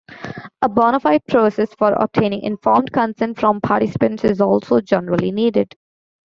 A "bona fide" process for obtaining informed consent from participants is also generally needed.